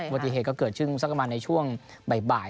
ปฏิเหตุก็เกิดขึ้นสักประมาณในช่วงบ่าย